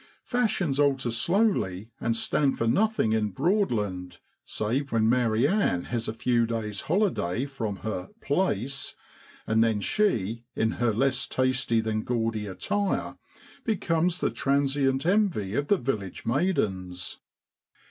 Fashions alter slowly and stand for nothing in Broadland, save when Mary Ann has a few days' holiday from her 'plaace,' and then she, in her less tasty than gaudy attire, becomes the transi ent envy of the village maidens.